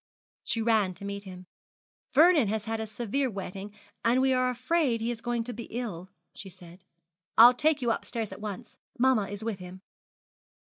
She ran to meet him. 'Vernon has had a severe wetting, and we are afraid he is going to be ill,' she said. 'I'll take you upstairs at once. Mamma is with him.'